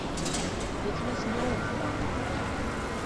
Little is known about Wand.